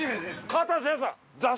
「片瀬や」さん。